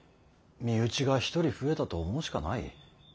身内が一人増えたと思うしかない。